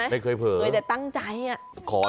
ไม่เคยเผยใช่ไหมแต่ตั้งใจอ่ะไม่เคยเผยไม่เคยเผย